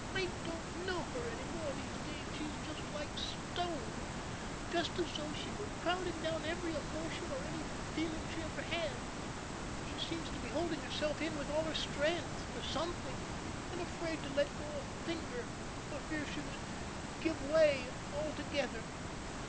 "I don't know her any more these days, she is just like stone just as though she were crowding down every emotion or any feeling she ever had. She seems to be holding herself in with all her strength for something and afraid to let go a finger, for fear she would give way altogether.